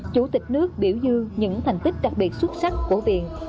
chủ tịch nước biểu dư những thành tích đặc biệt xuất sắc của viện